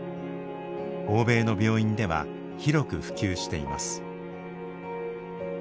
欧米の病院では広く普及しています。